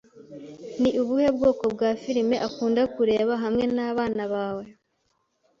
Ni ubuhe bwoko bwa firime ukunda kureba hamwe nabana bawe?